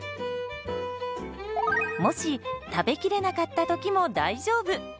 もし食べきれなかった時も大丈夫。